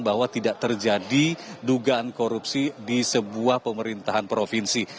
bahwa tidak terjadi dugaan korupsi di sebuah pemerintahan provinsi